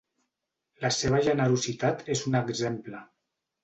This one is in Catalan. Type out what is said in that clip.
La seva generositat és un exemple.